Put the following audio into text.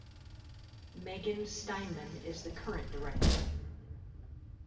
Megan Steinman is the current director.